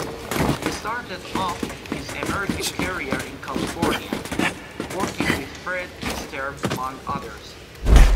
He started off his American career in California, working with Fred Astaire among others.